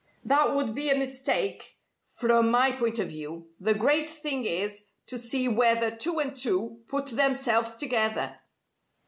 "That would be a mistake, from my point of view. The great thing is, to see whether two and two put themselves together."